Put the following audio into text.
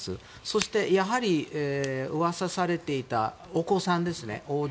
そして、やはりうわさされていたお子さんですね